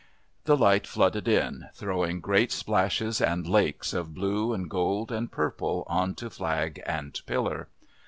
The light flooded in, throwing great splashes and lakes of blue and gold and purple on to flag and pillar.